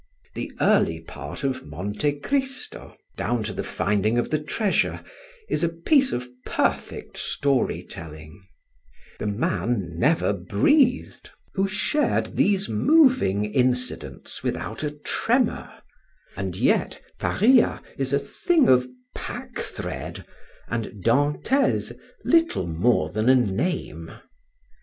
The early part of Monte Cristo, down to the finding of the treasure, is a piece of perfect story telling; the man never breathed who shared these moving incidents without a tremor; and yet Faria is a thing of packthread and Dantès little more than a name.